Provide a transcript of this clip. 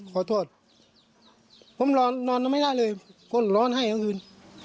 ขอโทษผมนอนไม่ได้เลยก้นร้อนให้ทั้งคืน